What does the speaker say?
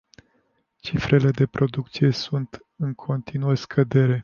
Cifrele de producție sunt în continuă scădere.